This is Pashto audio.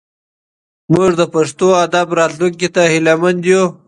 موږ د پښتو ادب راتلونکي ته هیله مند یو.